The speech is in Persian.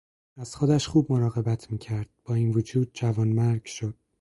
از خودش خوب مراقبت میکرد با این وجود جوانمرگ شد.